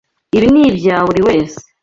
Ibi ni ibya buri wese.